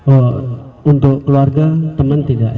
oh untuk keluarga teman tidak